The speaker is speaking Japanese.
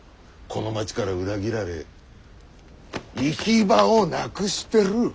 この町から裏切られ行き場をなくしてる。